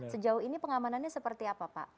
sejauh ini pengamanannya seperti apa pak